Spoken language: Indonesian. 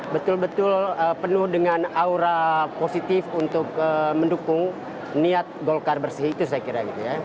betul betul penuh dengan aura positif untuk mendukung niat golkar bersih itu saya kira gitu ya